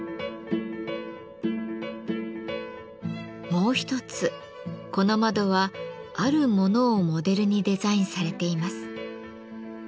もう一つこの窓はあるものをモデルにデザインされています。